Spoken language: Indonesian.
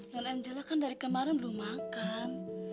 non angela kan dari kemarin belum makan